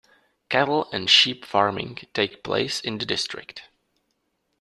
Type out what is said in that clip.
Cattle and sheep farming take place in the district.